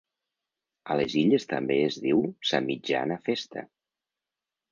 A les Illes també es diu ‘sa mitjana festa’.